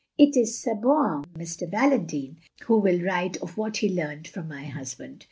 It is ce bon M. Valentine who will write of what he learnt from my husband.